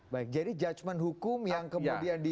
baik jadi judgement hukum yang kemudian di